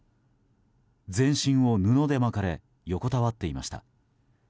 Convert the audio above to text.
全身を布で巻かれ横たわっていました。